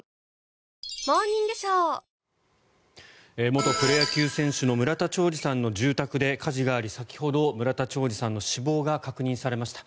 元プロ野球選手の村田兆治さんの住宅で火事があり先ほど、村田兆治さんの死亡が確認されました。